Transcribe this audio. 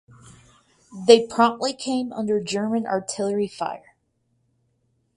They promptly came under German artillery fire.